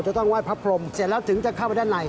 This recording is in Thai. จะต้องไห้พระพรมเสร็จแล้วถึงจะเข้าไปด้านใน